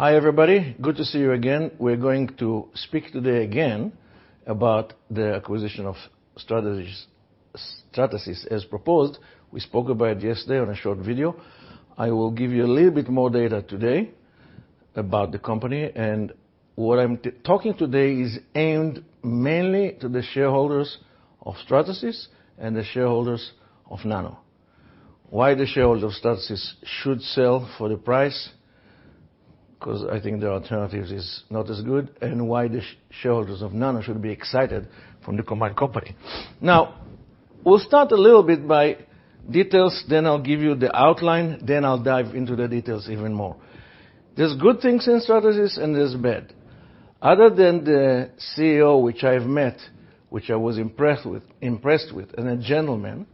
Hi, everybody. Good to see you again. We're going to speak today again about the acquisition of Stratasys as proposed. We spoke about it yesterday on a short video. I will give you a little bit more data today about the company and what I'm talking today is aimed mainly to the shareholders of Stratasys and the shareholders of Nano. The shareholders of Stratasys should sell for the price, 'cause I think the alternatives is not as good, and the shareholders of Nano should be excited for the combined company. We'll start a little bit by details, I'll give you the outline, I'll dive into the details even more. There's good things in Stratasys and there's bad. Other than the CEO, which I've met, which I was impressed with, and a gentleman,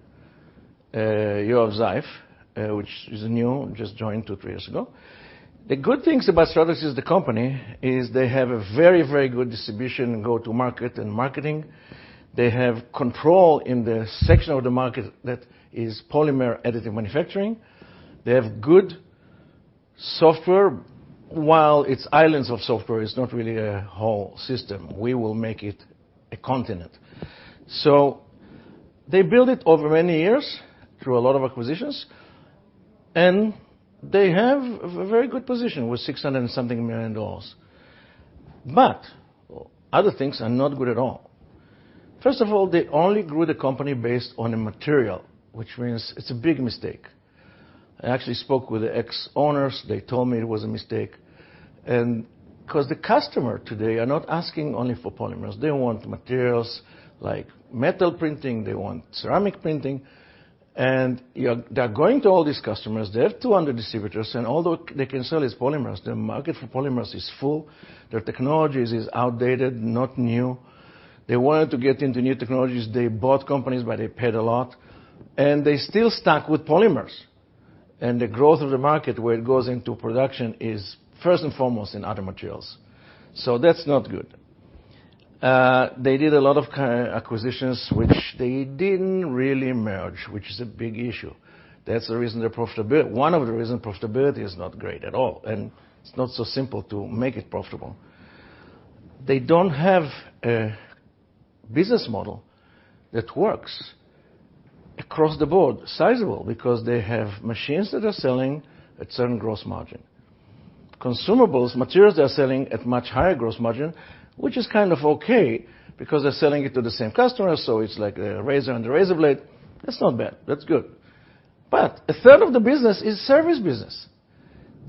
Yoav Zeif, which is new, just joined 2, 3 years ago. The good things about Stratasys, the company, is they have a very, very good distribution and go-to-market and marketing. They have control in the section of the market that is polymer additive manufacturing. They have good software. While it's islands of software, it's not really a whole system. We will make it a continent. They build it over many years through a lot of acquisitions, and they have a very good position with $600 and something million. Other things are not good at all. First of all, they only grew the company based on a material, which means it's a big mistake. I actually spoke with the ex-owners. They told me it was a mistake. 'Cause the customer today are not asking only for polymers. They want materials like metal printing, they want ceramic printing. They're going to all these customers. They have 200 distributors. All they can sell is polymers. Their market for polymers is full. Their technologies is outdated, not new. They wanted to get into new technologies. They bought companies, but they paid a lot. They're still stuck with polymers. The growth of the market, where it goes into production is first and foremost in other materials. That's not good. They did a lot of acquisitions which they didn't really merge, which is a big issue. That's the reason their profitability, one of the reasons profitability is not great at all, and it's not so simple to make it profitable. They don't have a business model that works across the board sizable because they have machines that are selling at certain gross margin. Consumables, materials they are selling at much higher gross margin, which is kind of okay because they're selling it to the same customer, so it's like a razor and a razor blade. That's not bad. That's good. A third of the business is service business.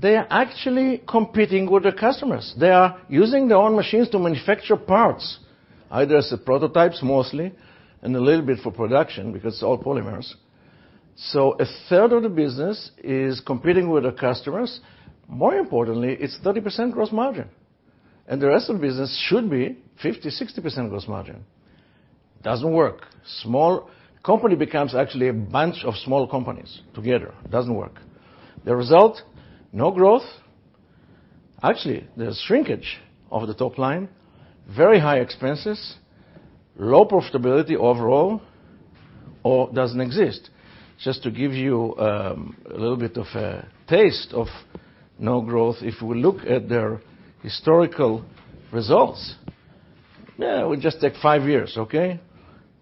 They are actually competing with their customers. They are using their own machines to manufacture parts, either as prototypes mostly and a little bit for production because it's all polymers. A third of the business is competing with their customers. More importantly, it's 30% gross margin, and the rest of the business should be 50%, 60% gross margin. Doesn't work. Company becomes actually a bunch of small companies together. Doesn't work. The result, no growth. Actually, there's shrinkage of the top line, very high expenses, low profitability overall, or doesn't exist. Just to give you a little bit of a taste of no growth, if we look at their historical results, yeah, we just take 5 years, okay?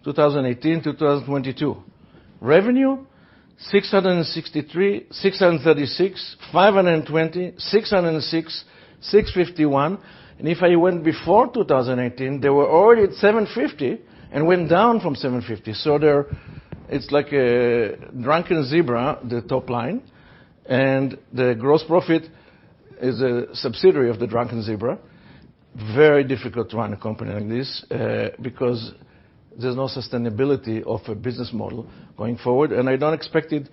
2018, 2022. Revenue, $663, $636, $520, $606, $651. If I went before 2018, they were already at $750 and went down from $750. It's like a drunken zebra, the top line, and the gross profit is a subsidiary of the drunken zebra. Very difficult to run a company like this, because there's no sustainability of a business model going forward, and I don't expect it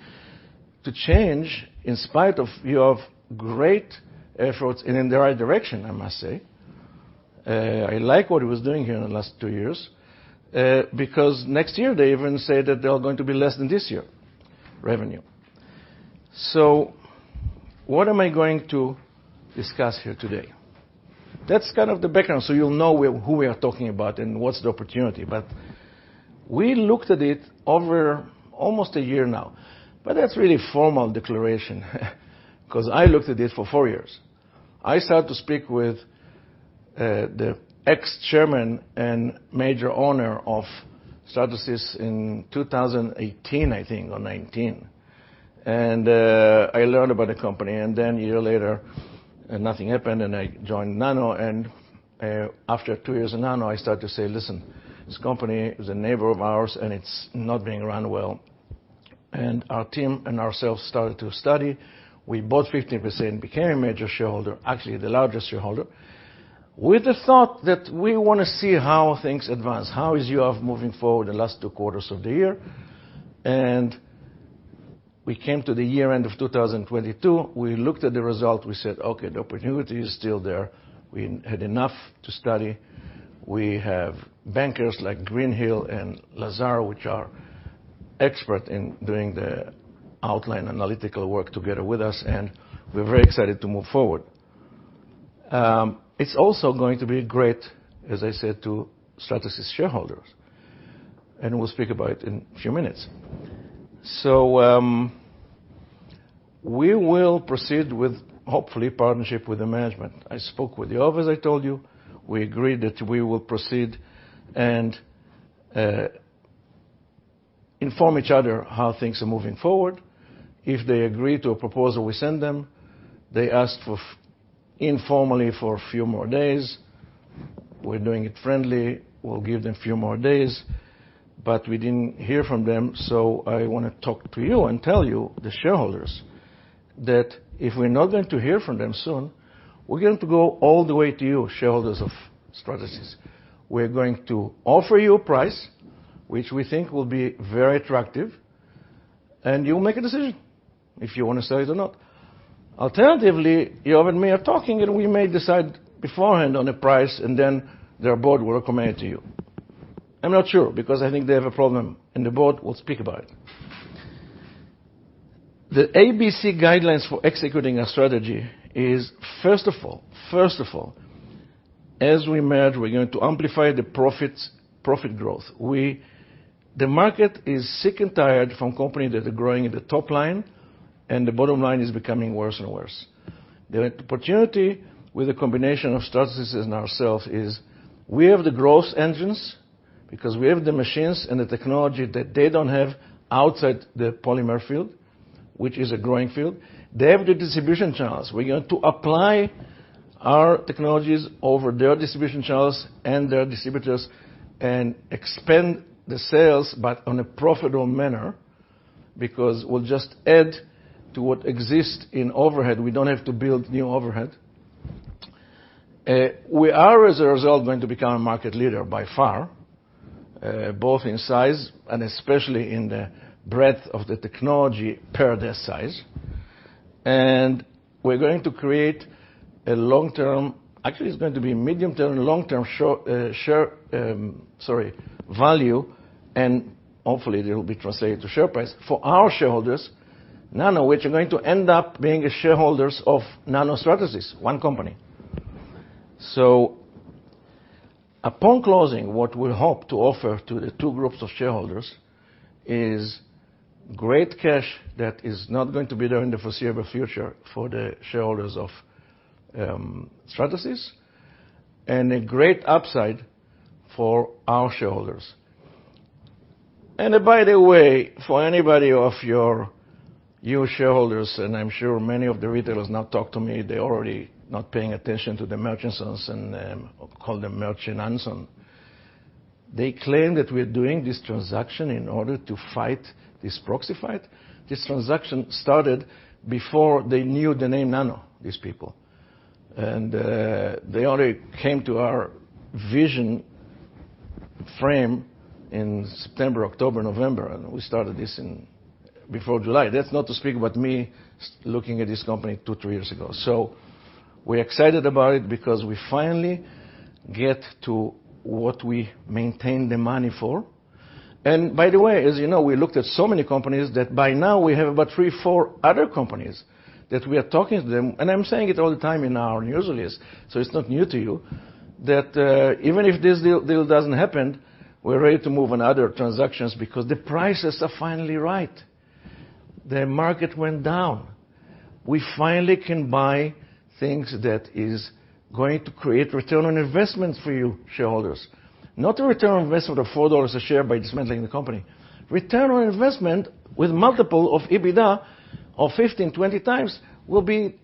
to change in spite of you have great efforts and in the right direction, I must say. I like what he was doing here in the last 2 years, because next year they even say that they are going to be less than this year revenue. What am I going to discuss here today? That's kind of the background, so you'll know who we are talking about and what's the opportunity. We looked at it over almost a year now, but that's really formal declaration 'cause I looked at it for 4 years. I started to speak with the ex-chairman and major owner of Stratasys in 2018, I think, or 19. I learned about the company. A year later, nothing happened. I joined Nano. After 2 years of Nano, I started to say, "Listen, this company is a neighbor of ours, and it's not being run well." Our team and ourselves started to study. We bought 15%, became a major shareholder, actually the largest shareholder, with the thought that we wanna see how things advance, how is Yoav moving forward the last 2 quarters of the year. We came to the year end of 2022. We looked at the result. We said, "Okay, the opportunity is still there." We had enough to study. We have bankers like Greenhill and Lazard, which are expert in doing the outline analytical work together with us, and we're very excited to move forward. It's also going to be great, as I said, to Stratasys shareholders. We'll speak about it in a few minutes. We will proceed with, hopefully, partnership with the management. I spoke with Yoav, as I told you. We agreed that we will proceed and inform each other how things are moving forward. If they agree to a proposal we send them, they informally ask for a few more days. We're doing it friendly. We'll give them a few more days, but we didn't hear from them, so I wanna talk to you and tell you, the shareholders, that if we're not going to hear from them soon, we're going to go all the way to you, shareholders of Stratasys. We're going to offer you a price which we think will be very attractive, and you'll make a decision if you wanna sell it or not. Alternatively, Yoav and me are talking, and we may decide beforehand on the price, and then their board will recommend it to you. I'm not sure because I think they have a problem in the board. We'll speak about it. The ABC guidelines for executing our strategy is, first of all, as we merge, we're going to amplify the profits, profit growth. The market is sick and tired from company that are growing in the top line and the bottom line is becoming worse and worse. The opportunity with a combination of Stratasys and ourselves is we have the growth engines because we have the machines and the technology that they don't have outside the polymer field, which is a growing field. They have the distribution channels. We're going to apply our technologies over their distribution channels and their distributors and expand the sales, but on a profitable manner, because we'll just add to what exists in overhead. We don't have to build new overhead. We are, as a result, going to become a market leader by far, both in size and especially in the breadth of the technology per their size. We're going to create a long-term... Actually, it's going to be medium-term, long-term share, sorry, value, and hopefully, it'll be translated to share price for our shareholders, Nano, which are going to end up being shareholders of Nano Stratasys, one company. Upon closing, what we'll hope to offer to the two groups of shareholders is great cash that is not going to be there in the foreseeable future for the shareholders of Stratasys, and a great upside for our shareholders. By the way, for anybody of your, you shareholders, and I'm sure many of the retailers now talk to me, they're already not paying attention to the merchants and call them mercenaries, and they claim that we're doing this transaction in order to fight this proxy fight. This transaction started before they knew the name Nano, these people. They only came to our vision frame in September, October, November, and we started this in before July. That's not to speak about me looking at this company 2, 3 years ago. We're excited about it because we finally get to what we maintain the money for. By the way, as you know, we looked at so many companies that by now we have about 3, 4 other companies that we are talking to them, and I'm saying it all the time in our news list, so it's not new to you, that even if this deal doesn't happen, we're ready to move on other transactions because the prices are finally right. The market went down. We finally can buy things that is going to create ROI for you, shareholders. Not a return on investment of $4 a share by dismantling the company. Return on investment with multiple of EBITDA of 15x, 20x will be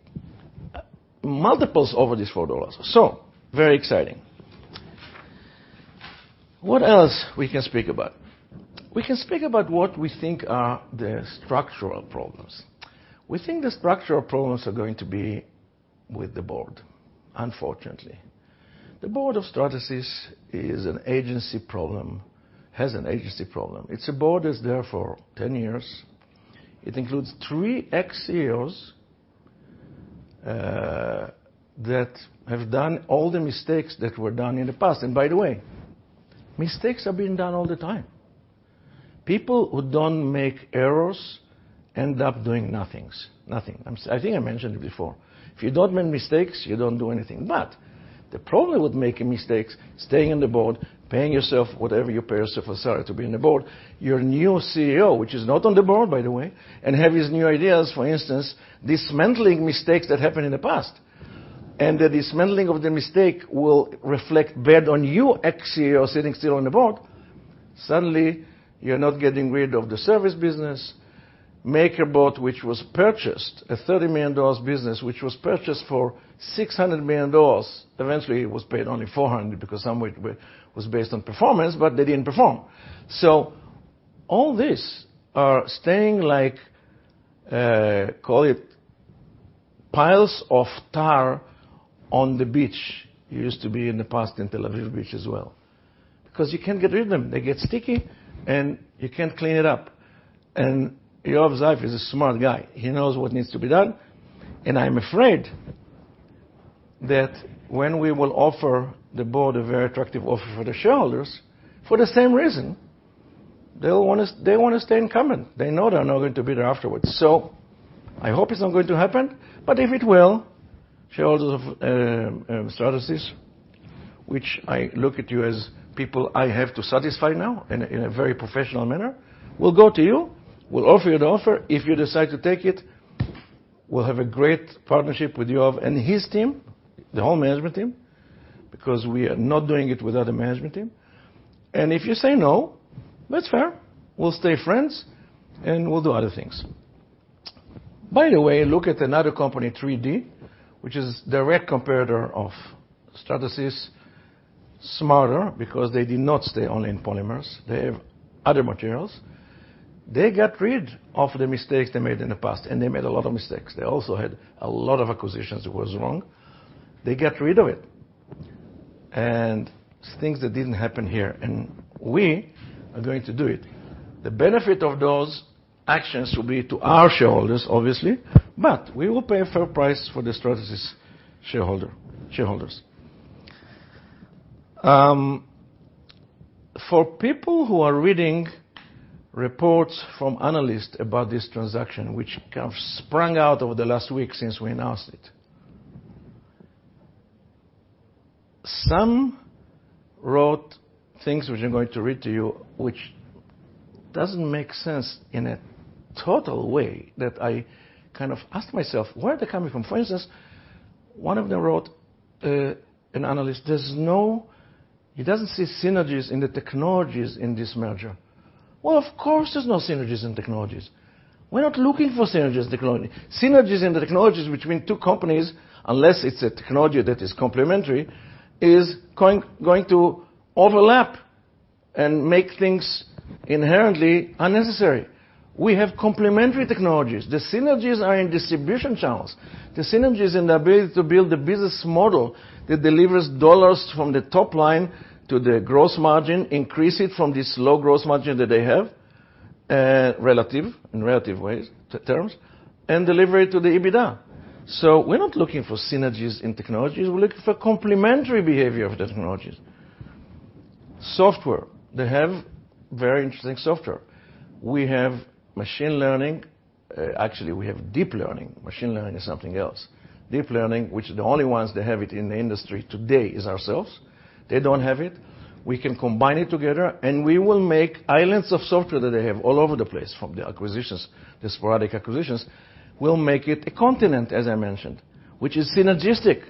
multiples over these $4. Very exciting. What else we can speak about? We can speak about what we think are the structural problems. We think the structural problems are going to be with the board, unfortunately. The board of Stratasys is an agency problem. Has an agency problem. It's a board that's there for 10 years. It includes three ex-CEOs that have done all the mistakes that were done in the past. By the way, mistakes are being done all the time. People who don't make errors end up doing nothings. Nothing. I think I mentioned it before. If you don't make mistakes, you don't do anything. The problem with making mistakes, staying on the board, paying yourself whatever you pay yourself, sorry, to be on the board, your new CEO, which is not on the board, by the way, and have his new ideas, for instance, dismantling mistakes that happened in the past. The dismantling of the mistake will reflect bad on you, ex-CEO sitting still on the board. Suddenly, you're not getting rid of the service business. MakerBot, which was purchased, a $30 million business, which was purchased for $600 million. Eventually, it was paid only $400 million because some was based on performance, but they didn't perform. All this are staying like, call it piles of tar on the beach. You used to be in the past in Tel Aviv beach as well. 'Cause you can't get rid of them. They get sticky, you can't clean it up. Yoav Zeif is a smart guy. He knows what needs to be done, and I'm afraid that when we will offer the board a very attractive offer for the shareholders, for the same reason, they'll wanna stay incumbent. They know they're not going to be there afterwards. I hope it's not going to happen, but if it will. Shareholders of Stratasys, which I look at you as people I have to satisfy now in a very professional manner, will go to you. We'll offer you the offer. If you decide to take it, we'll have a great partnership with Yoav and his team, the whole management team, because we are not doing it without a management team. If you say no, that's fair. We'll stay friends, and we'll do other things. Look at another company, 3D Systems, which is direct competitor of Stratasys. Smarter because they did not stay only in polymers. They have other materials. They got rid of the mistakes they made in the past, and they made a lot of mistakes. They also had a lot of acquisitions that was wrong. They got rid of it, and things that didn't happen here, and we are going to do it. The benefit of those actions will be to our shareholders, obviously, but we will pay a fair price for the Stratasys shareholders. For people who are reading reports from analysts about this transaction, which kind of sprung out over the last week since we announced it. Some wrote things which I'm going to read to you, which doesn't make sense in a total way that I kind of ask myself, where are they coming from? For instance, one of them wrote, an analyst, He doesn't see synergies in the technologies in this merger. Well, of course, there's no synergies in technologies. We're not looking for synergies technology. Synergies in the technologies between two companies, unless it's a technology that is complementary, is going to overlap and make things inherently unnecessary. We have complementary technologies. The synergies are in distribution channels. The synergies in the ability to build a business model that delivers dollars from the top line to the gross margin, increase it from this low gross margin that they have, relative, in relative ways, terms, and deliver it to the EBITDA. We're not looking for synergies in technologies. We're looking for complementary behavior of technologies. Software. They have very interesting software. We have machine learning. Actually, we have deep learning. Machine learning is something else. Deep learning, which the only ones that have it in the industry today is ourselves. They don't have it. We can combine it together, and we will make islands of software that they have all over the place from the acquisitions. The sporadic acquisitions will make it a continent, as I mentioned, which is synergistic,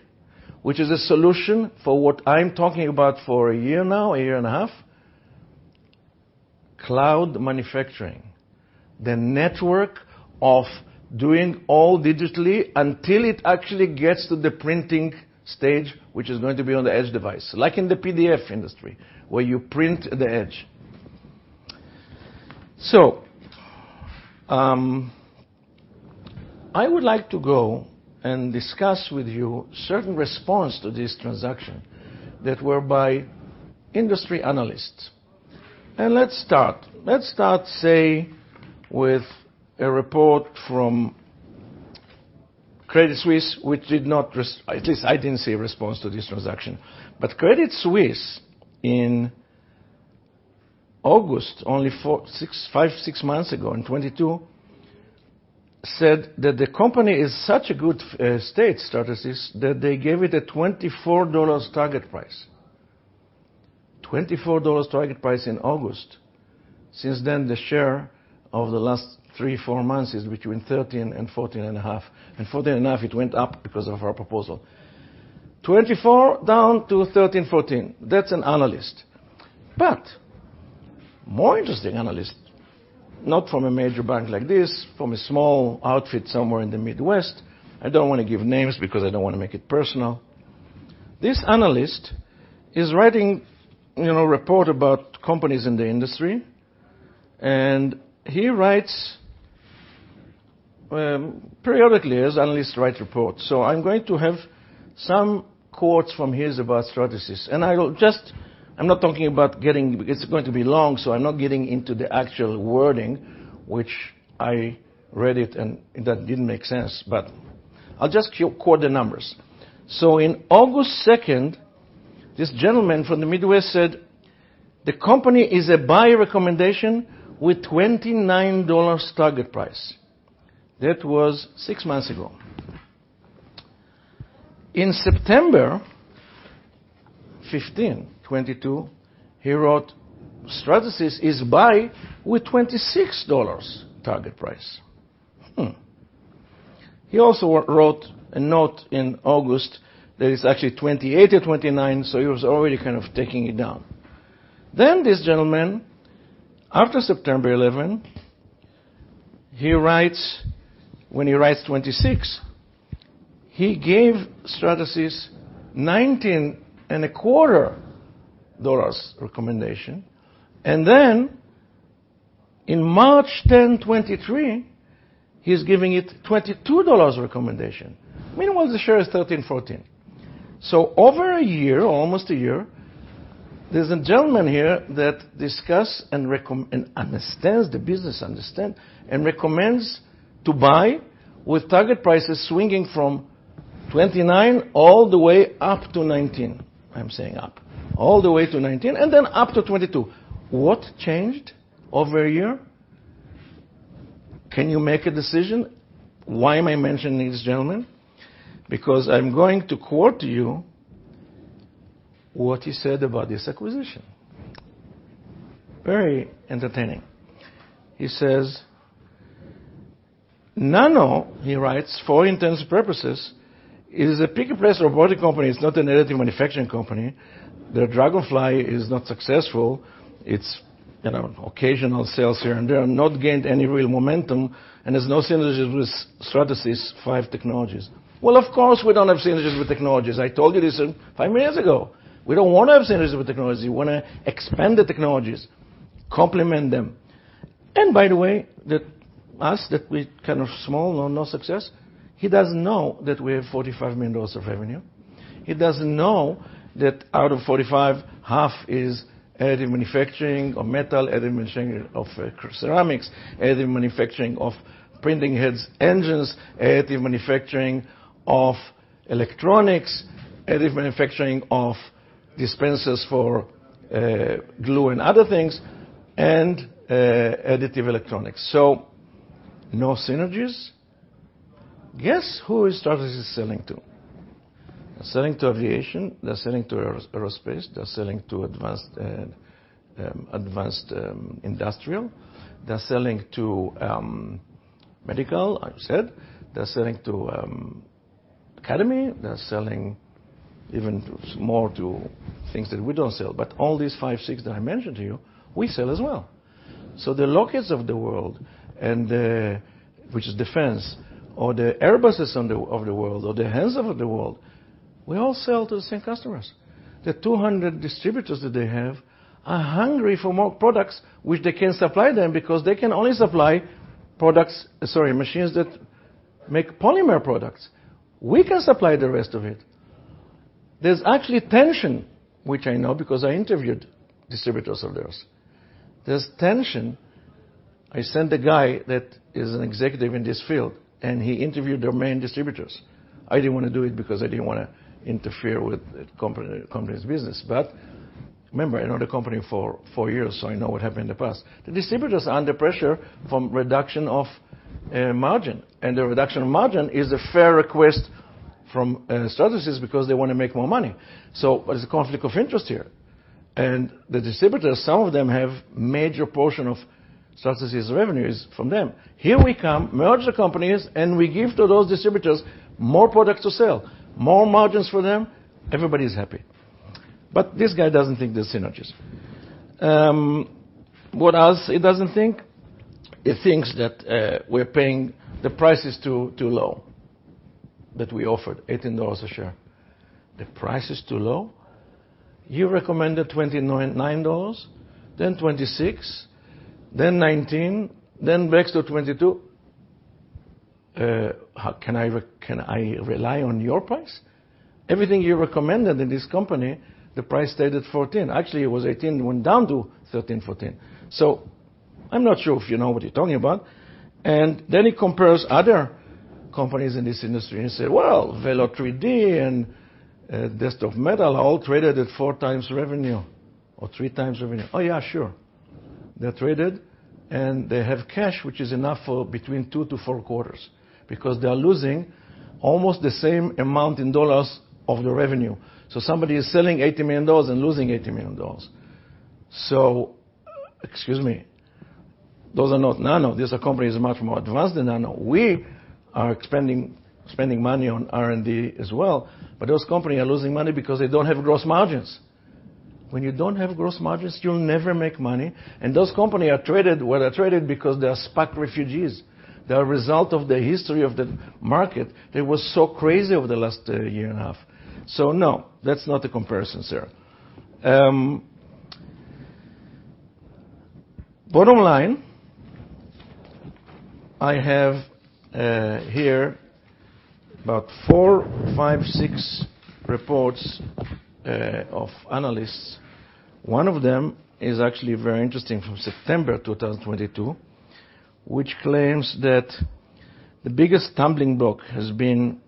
which is a solution for what I'm talking about for a year now, a year and a half, cloud manufacturing. The network of doing all digitally until it actually gets to the printing stage, which is going to be on the edge device, like in the PDF industry, where you print the edge. I would like to go and discuss with you certain response to this transaction that were by industry analysts. Let's start. Let's start, say, with a report from Credit Suisse, which did not at least I didn't see a response to this transaction. Credit Suisse in August, only 4, 6, 5, 6 months ago, in 2022, said that the company is such a good state, Stratasys, that they gave it a $24 target price. $24 target price in August. Since then, the share of the last 3, 4 months is between $13 and 14.5. In $14.5, it went up because of our proposal. $24 down to 13, 14. That's an analyst. More interesting analyst, not from a major bank like this, from a small outfit somewhere in the Midwest. I don't wanna give names because I don't wanna make it personal. This analyst is writing, you know, report about companies in the industry, he writes periodically as analysts write reports. I'm going to have some quotes from his about Stratasys. It's going to be long, I'm not getting into the actual wording, which I read it, that didn't make sense, I'll just quote the numbers. In August second, this gentleman from the Midwest said, "The company is a buy recommendation with $29 target price." That was six months ago. In September 15, 2022, he wrote, "Stratasys is buy with $26 target price." He also wrote a note in August that is actually $28 or 29, he was already kind of taking it down. This gentleman, after 9/11, he writes, when he writes 26, he gave Stratasys nineteen and a quarter dollars recommendation. In March 10, 2023, he's giving it $22 recommendation. Meanwhile, the share is $13 to 14. Over a year, almost a year, there's a gentleman here that discuss and understands the business, understand, and recommends to buy with target prices swinging from $29 all the way up to $19. I'm saying up. All the way to $19 and then up to $22. What changed over a year? Can you make a decision? Why am I mentioning this gentleman? I'm going to quote you what he said about this acquisition. Very entertaining. He says, "Nano," he writes, "for all intents and purposes, is a pick-and-place robotic company. It's not an additive manufacturing company. Their DragonFly is not successful. It's, you know, occasional sales here, they have not gained any real momentum, there's no synergies with Stratasys' 5 technologies. Of course, we don't have synergies with technologies. I told you this 5 years ago. We don't wanna have synergies with technology. We wanna expand the technologies, complement them. By the way, that us, that we're kind of small or no success, he doesn't know that we have $45 million of revenue. He doesn't know that out of 45, half is additive manufacturing of metal, additive manufacturing of ceramics, additive manufacturing of printing heads, engines, additive manufacturing of electronics, additive manufacturing of dispensers for glue and other things, and additive electronics. No synergies? Guess who Stratasys is selling to? They're selling to aviation. They're selling to aerospace. They're selling to advanced industrial. They're selling to medical, I said. They're selling to academy. They're selling even more to things that we don't sell. All these 5, 6 that I mentioned to you, we sell as well. The Lockheed's of the world and which is defense, or the Airbus's of the world or the Lufthansa of the world, we all sell to the same customers. The 200 distributors that they have are hungry for more products which they can't supply them because they can only supply machines that make polymer products. We can supply the rest of it. There's actually tension, which I know because I interviewed distributors of theirs. There's tension. I sent a guy that is an executive in this field, and he interviewed their main distributors. I didn't wanna do it because I didn't wanna interfere with the company, the company's business. Remember, I know the company for four years, I know what happened in the past. The distributors are under pressure from reduction of margin, and the reduction of margin is a fair request from Stratasys because they wanna make more money. There's a conflict of interest here. The distributors, some of them have major portion of Stratasys' revenues from them. Here we come, merge the companies, and we give to those distributors more products to sell, more margins for them. Everybody's happy. This guy doesn't think there's synergies. What else he doesn't think? He thinks that the price is too low, that we offered $18 a share. The price is too low? You recommended $29, then 26, then 19, then back to 22. How can I rely on your price? Everything you recommended in this company, the price stayed at $14. Actually, it was $18. It went down to $13, 14. I'm not sure if you know what you're talking about. Then he compares other companies in this industry and say, "Well, Velo3D and Desktop Metal all traded at 4x revenue or 3x revenue." Yeah, sure. They're traded, and they have cash, which is enough for between 2 to 4 quarters because they are losing almost the same amount in dollars of the revenue. Somebody is selling $80 and losing 80 million. Excuse me, those are not Nano. These are companies much more advanced than Nano. We are spending money on R&D as well. Those company are losing money because they don't have gross margins. When you don't have gross margins, you'll never make money. Those company are traded where they're traded because they are SPAC refugees. They are result of the history of the market that was so crazy over the last year and a half. No, that's not the comparison, sir. Bottom line, I have here about 4, 5, 6 reports of analysts. One of them is actually very interesting from September 2022, which claims that the biggest stumbling block has been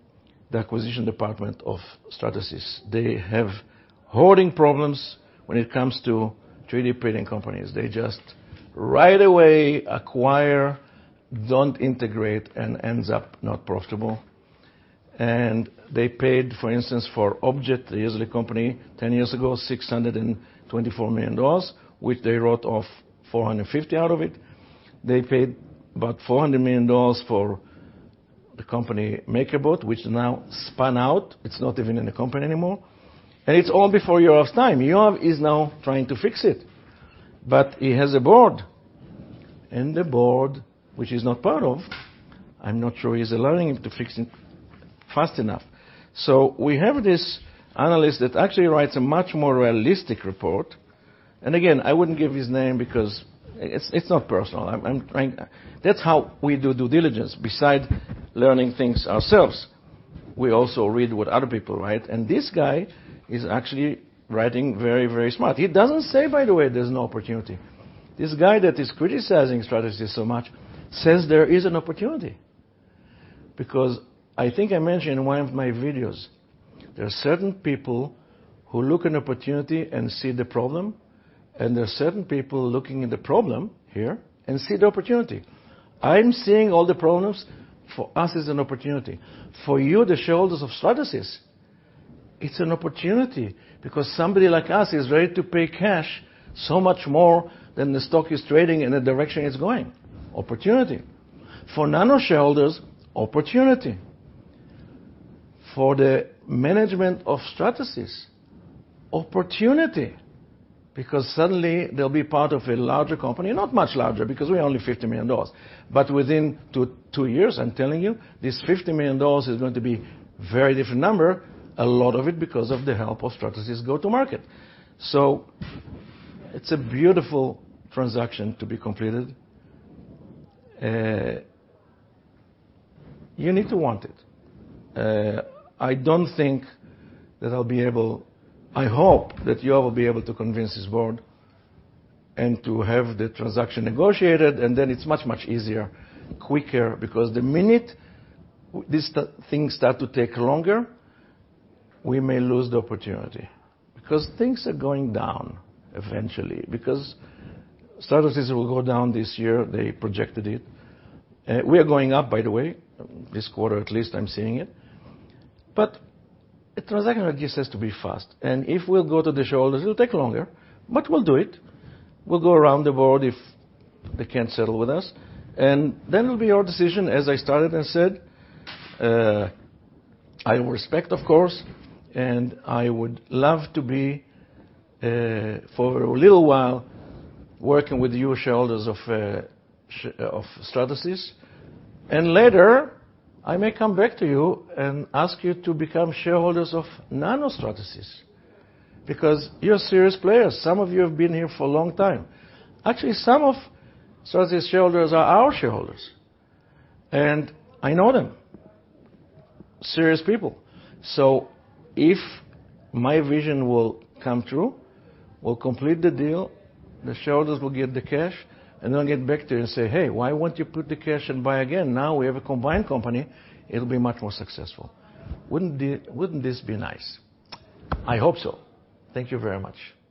the acquisition department of Stratasys. They have hoarding problems when it comes to 3D printing companies. They just right away acquire, don't integrate, and ends up not profitable. They paid, for instance, for Objet, the Israeli company, 10 years ago, $624 million, which they wrote off $450 million out of it. They paid about $400 million for the company MakerBot, which now spun out. It's not even in the company anymore. It's all before Yoav's time. Yoav is now trying to fix it, but he has a board, and the board, which he's not part of, I'm not sure he's allowing him to fix it fast enough. We have this analyst that actually writes a much more realistic report. Again, I wouldn't give his name because it's not personal. I'm trying. That's how we do due diligence. Besides learning things ourselves, we also read what other people write, and this guy is actually writing very smart. He doesn't say, by the way, there's no opportunity. This guy that is criticizing Stratasys so much says there is an opportunity. I think I mentioned in one of my videos, there are certain people who look an opportunity and see the problem, and there are certain people looking at the problem here and see the opportunity. I'm seeing all the problems for us as an opportunity. For you, the shareholders of Stratasys, it's an opportunity because somebody like us is ready to pay cash so much more than the stock is trading in the direction it's going. Opportunity. For Nano shareholders, opportunity. For the management of Stratasys, opportunity, because suddenly they'll be part of a larger company. Not much larger, because we're only $50 million. Within 2 years, I'm telling you, this $50 million is going to be very different number, a lot of it because of the help of Stratasys go-to market. It's a beautiful transaction to be completed. You need to want it. I hope that Yoav will be able to convince his board and to have the transaction negotiated, and then it's much easier, quicker, because the minute these things start to take longer, we may lose the opportunity because things are going down eventually. Stratasys will go down this year. They projected it. We are going up, by the way, this quarter at least, I'm seeing it. A transaction like this has to be fast, and if we'll go to the shareholders, it'll take longer, but we'll do it. We'll go around the board if they can't settle with us, and then it'll be your decision, as I started and said, I will respect, of course, and I would love to be for a little while working with you shareholders of Stratasys. Later, I may come back to you and ask you to become shareholders of Nano Stratasys because you're serious players. Some of you have been here for a long time. Actually, some of Stratasys shareholders are our shareholders, and I know them. Serious people. If my vision will come true, we'll complete the deal, the shareholders will get the cash, and then I'll get back to you and say, "Hey, why won't you put the cash and buy again? Now we have a combined company, it'll be much more successful." Wouldn't this be nice? I hope so. Thank you very much.